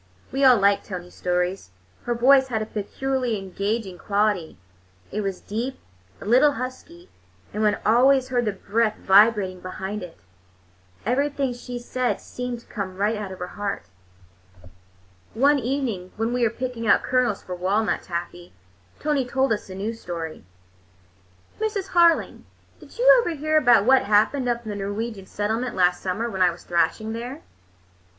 We all liked Tony's stories. Her voice had a peculiarly engaging quality; it was deep, a little husky, and one always heard the breath vibrating behind it. Everything she said seemed to come right out of her heart. One evening when we were picking out kernels for walnut taffy, Tony told us a new story. "Mrs. Harling, did you ever hear about what happened up in the Norwegian settlement last summer, when I was thrashing there?